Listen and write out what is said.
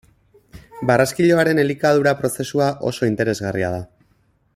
Barraskiloaren elikadura prozesua oso interesgarria da.